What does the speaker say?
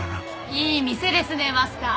いい店ですねマスター。